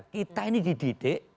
kita ini dididik